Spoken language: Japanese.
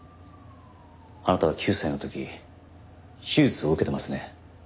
あなたは９歳の時手術を受けてますね。